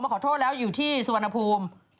ได้ขอโทษแล้วอยู่นี่สวนภูมิ